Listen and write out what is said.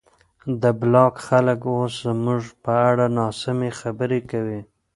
د بلاک خلک اوس زموږ په اړه ناسمې خبرې کوي.